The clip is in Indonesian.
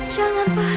jangan pernah kak